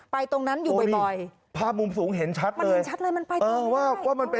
ไปตรงนั้นอยู่บ่อยบ่อยภาพมุมสูงเห็นชัดเลยมันเห็นชัดเลยมันไปตรงนี้ได้